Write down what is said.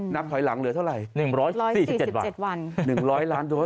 นับถอยหลังเหลือเท่าไหร่๑๔๗วัน